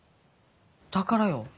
だからよ。